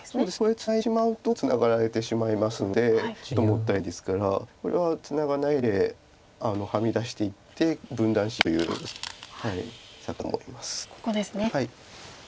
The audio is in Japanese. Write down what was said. これツナいでしまうともうツナがられてしまいますのでちょっともったいないですからこれはツナがないではみ出していって分断しようという作戦だと思います。